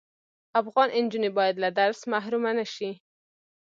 افغان انجوني بايد له درس محرومه نشی